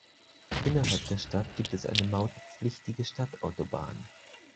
Innerhalb der Stadt gibt es eine mautpflichtige Stadtautobahn.